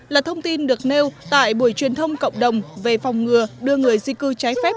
là thông tin được nêu tại buổi truyền thông cộng đồng về phòng ngừa đưa người di cư trái phép